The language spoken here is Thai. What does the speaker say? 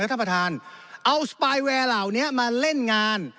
เอาสปายแวร์เหล่านี้มาเล่นงาน